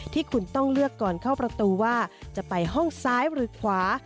ที่คุณต้องเลือกก่อนเข้าประตูว่าจะไปห้องซ้ายหรือขวา